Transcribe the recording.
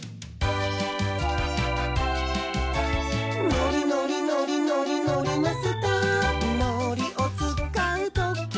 「のりのりのりのりのりマスター」「のりをつかうときは」